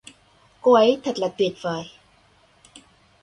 cô ấy thật là tuyệt vời